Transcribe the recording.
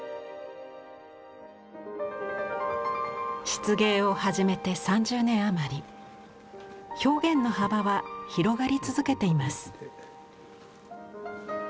漆芸を始めて３０年余り表現の幅は広がり続けています。